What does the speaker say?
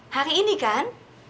hari ini kan